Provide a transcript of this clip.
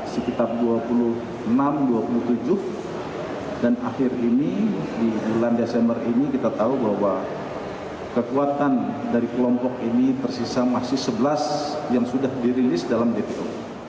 selama hampir lima tahun satgastin nombala terus melakukan perburuan tersebut diduga terus berpindah pindah bukan hanya di wilayah poso